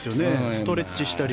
ストレッチをしてたり。